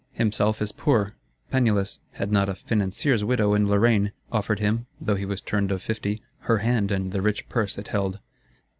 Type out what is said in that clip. Himself is poor; penniless, had not a "Financier's widow in Lorraine" offered him, though he was turned of fifty, her hand and the rich purse it held.